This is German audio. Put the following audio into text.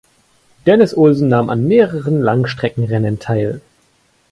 Dennis Olsen nahm an mehreren Langstreckenrennen teil.